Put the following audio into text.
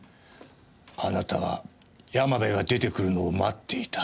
あなたは山部が出てくるのを待っていた。